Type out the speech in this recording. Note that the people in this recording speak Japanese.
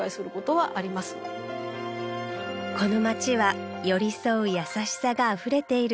この街は寄り添う優しさがあふれている